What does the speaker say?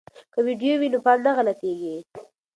که ویډیو وي نو پام نه غلطیږي.